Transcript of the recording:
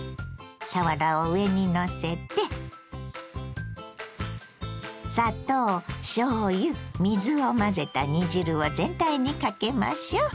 さわらを上にのせて砂糖しょうゆ水を混ぜた煮汁を全体にかけましょう。